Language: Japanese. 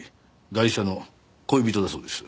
ガイシャの恋人だそうです。